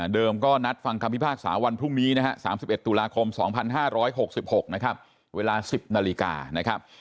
ก็นัดฟังคำพิพากษาวันพรุ่งนี้นะฮะ๓๑ตุลาคม๒๕๖๖นะครับเวลา๑๐นาฬิกานะครับ